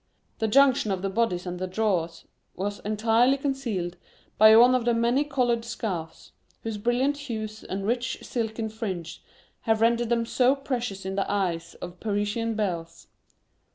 The junction of the bodice and drawers was entirely concealed by one of the many colored scarves, whose brilliant hues and rich silken fringe have rendered them so precious in the eyes of Parisian belles.